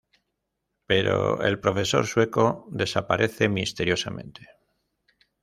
Pero el profesor sueco desaparece misteriosamente.